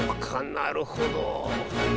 なるほど。